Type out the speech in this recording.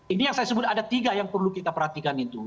ini yang saya sebut ada tiga yang perlu kita perhatikan itu